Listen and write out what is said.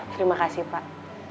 terima kasih pak